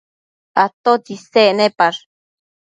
atotsi isec nepash?